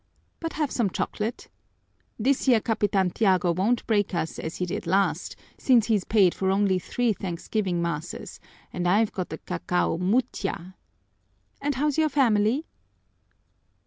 But have some chocolate! This year Capitan Tiago won't break us as he did last, since he's paid for only three thanksgiving masses and I've got a cacao mutyâ. And how's your family?"